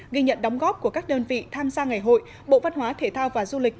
ghi nhận đóng góp của các đơn vị tham gia ngày hội bộ văn hóa thể thao và du lịch